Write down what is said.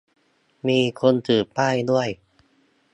มีคนถือป้ายด้วย